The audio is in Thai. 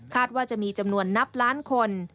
ว่าจะมีจำนวนนับล้านคน